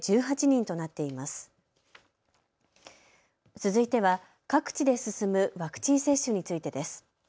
続いては各地で進むワクチン接種についてです。